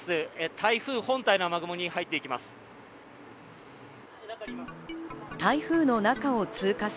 台風本体の雨雲に入っていきます。